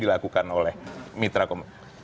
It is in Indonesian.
dilakukan oleh mitra komunitas